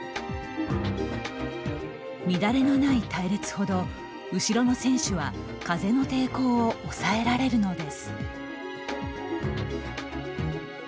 乱れのない隊列ほど後ろの選手は風の抵抗を抑えられるのです。